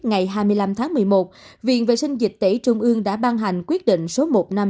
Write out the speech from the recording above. ngày hai mươi năm tháng một mươi một viện vệ sinh dịch tễ trung ương đã ban hành quyết định số một nghìn năm trăm chín mươi năm